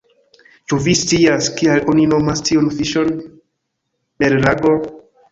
Ĉu vi scias kial oni nomas tiun fiŝon merlango?